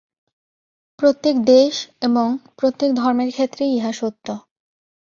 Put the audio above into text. প্রত্যেক দেশ এবং প্রত্যেক ধর্মের ক্ষেত্রেই ইহা সত্য।